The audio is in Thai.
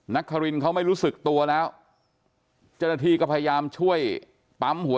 นครินเขาไม่รู้สึกตัวแล้วเจ้าหน้าที่ก็พยายามช่วยปั๊มหัว